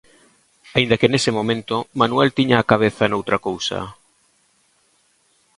Aínda que nese momento Manuel tiña a cabeza noutra cousa.